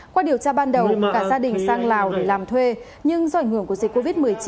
qua điều tra ban đầu hùng cả gia đình sang lào để làm thuê nhưng do ảnh hưởng của dịch covid một mươi chín